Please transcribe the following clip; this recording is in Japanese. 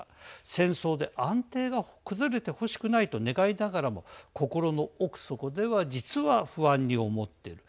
戦争で安定が崩れてほしくないと願いながらも心の奥底では実は不安に思っている。